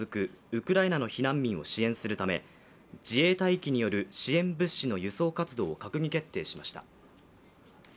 ウクライナの避難民を支援するため自衛隊機による支援物資の輸送活動を閣議決定しました。